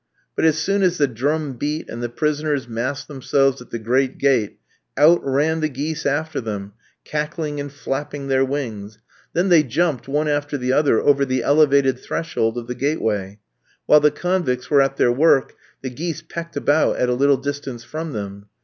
But as soon as the drum beat and the prisoners massed themselves at the great gate, out ran the geese after them, cackling and flapping their wings, then they jumped one after the other over the elevated threshold of the gateway; while the convicts were at their work, the geese pecked about at a little distance from them.